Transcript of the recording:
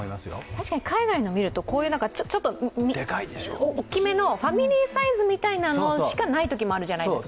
確かに海外のを見ると、ちょっと大きめのファミリーサイズみたいなのしかないときもあるじゃないですか。